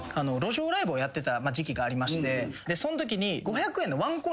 そんときに。